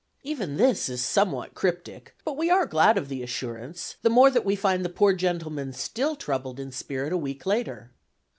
Even this is somewhat cryptic, but we are glad of the assurance, the more that we find the poor gentleman still troubled in spirit a week later.